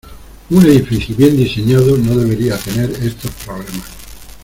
Un edificio bien diseñado no debería tener estos problemas.